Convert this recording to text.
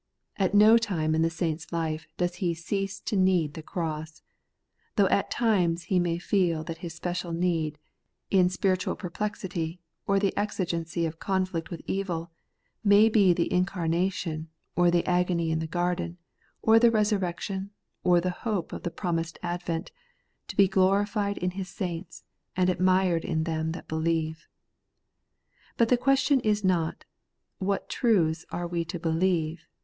At no time in the saint's life does he cease to need the cross ; though at times he may feel that his special need, in spiritual perplexity or the exigency of conflict with evil, may be the incarnation, or the agony in the garden, or the resurrection, or the hope of the promised advent, to be glorified in His saints, and admired in aU them that believe. But the question is not, ' What truths are we to believe